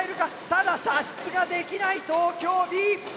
ただ射出ができない東京Ｂ。